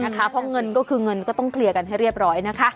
เพราะเงินก็คือเงินก็ต้องเคลียร์กันให้เรียบร้อยนะคะ